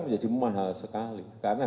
memasuki medan oke